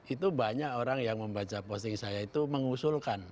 itu banyak orang yang membaca posting saya itu mengusulkan